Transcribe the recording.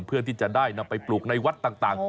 เพื่อที่จะได้นำไปปลูกในวัดต่าง